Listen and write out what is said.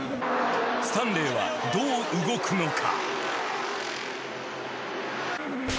スタンレーはどう動くのか？